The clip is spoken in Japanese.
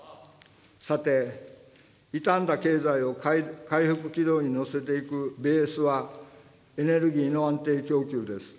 さて、傷んだ経済を回復軌道に乗せていくベースは、エネルギーの安定供給です。